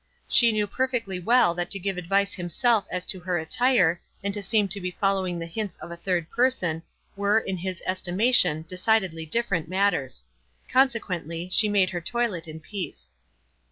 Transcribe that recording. She knew perfectly well that to give advice himself as to her attire, and to seem to be fol lowing the hints of a third person, were, in his estimation, decidedly different matters. Conse quently, she made her toilet in peace.